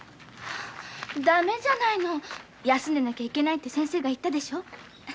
駄目でしょう休んでなきゃいけないって先生が言ってたでしょう。